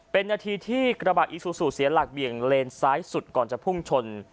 เป็นนาทีที่กระบะอีซูซูเสียหลักเบี่ยงเลนซ้ายสุดก่อนจะพุ่งชน